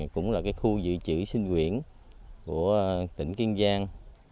cũng là khu dự trữ sinh quyển của tỉnh kiên giang